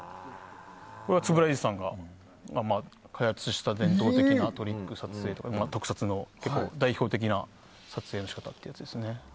これは円谷英二さんが開発した伝統的なトリック撮影で特撮の代表的な撮影方法ですね。